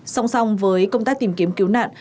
song song với công tác tìm kiếm cứu nạn